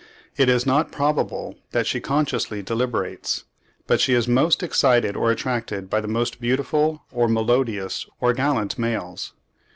It is not probable that she consciously deliberates; but she is most excited or attracted by the most beautiful, or melodious, or gallant males.